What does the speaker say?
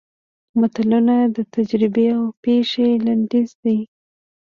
متلونه د تجربې او پېښې لنډیز دي